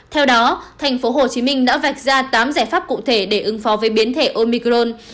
theo đó thành phố hồ chí minh đã vạch ra tám giải pháp cụ thể để ứng phó với biến thể omicron